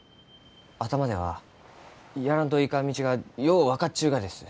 頭ではやらんといかん道がよう分かっちゅうがです。